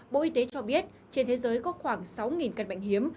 bộ y tế cho biết trên thế giới có khoảng sáu căn bệnh hiếm